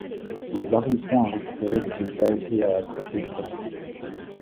Ils arriveront à récupérer le bétail et à attraper les bandits.